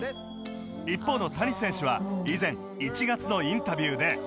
一方の谷選手は以前１月のインタビューで